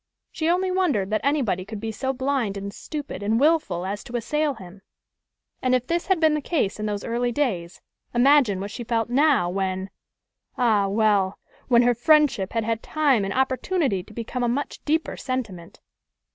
She only wondered that anybody could be so blind and stupid and wilful as to assail him. And if this had been the case in those early days, imagine what she felt now, when ah, well! when her friendship had had time and opportunity to become a much deeper sentiment.